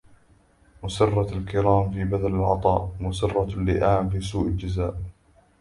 مسرّة الكرام في بذل العطاء، ومسرّة اللّئام في سوء الجزاء.